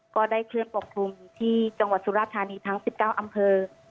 ก็ได้เคลื่อนปกคลุมอยู่ที่จังหวัดสุราธานีทั้ง๑๙อำเภอ